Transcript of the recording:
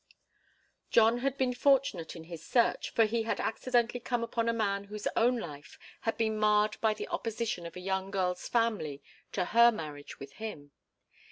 John had been fortunate in his search, for he had accidentally come upon a man whose own life had been marred by the opposition of a young girl's family to her marriage with him.